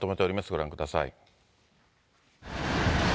ご覧ください。